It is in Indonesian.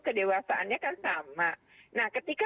kedewasaannya kan sama nah ketika